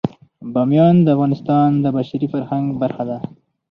بامیان د افغانستان د بشري فرهنګ برخه ده.